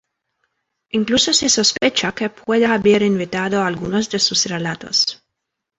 Incluso se sospecha que pueda haber inventado algunos de sus relatos.